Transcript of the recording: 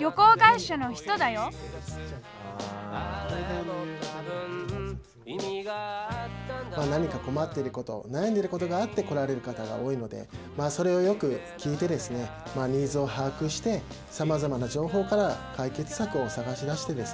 旅行会社の人だよ何か困ってることなやんでることがあって来られる方が多いのでそれをよく聞いてですねニーズをはあくしてさまざまな情報から解決策を探し出してですね